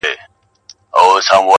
د کښتۍ مخي ته پورته سول موجونه٫